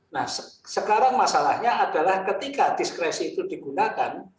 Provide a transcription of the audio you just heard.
nah sekarang masalahnya adalah ketika diskresi itu digunakan